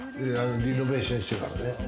リノベーションしてからね。